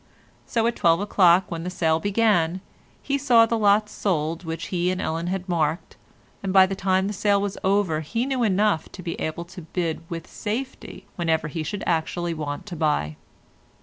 So at twelve o'clock when the sale began, he saw the lots sold which he and Ellen had marked, and by the time the sale was over he knew enough to be able to bid with safety whenever he should actually want to buy.